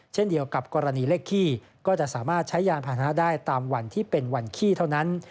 เช่นเดียวกับกรณีเลขขี้ก็จะสามารถใช้ยานพานะได้ตามวันที่เป็นวันขี้เท่านั้น